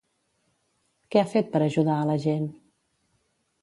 Què ha fet per ajudar a la gent?